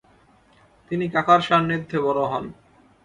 তিনি কাকার সান্নিধ্যে বড় হন।